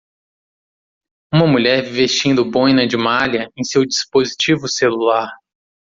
Uma mulher vestindo boina de malha em seu dispositivo celular.